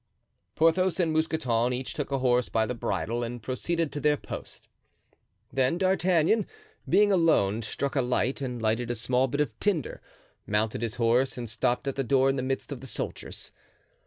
Porthos and Mousqueton each took a horse by the bridle and proceeded to their post. Then D'Artagnan, being alone, struck a light and lighted a small bit of tinder, mounted his horse and stopped at the door in the midst of the soldiers.